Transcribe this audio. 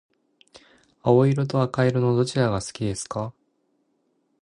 青色と赤色のどちらが好きですか？